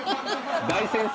大先生だ。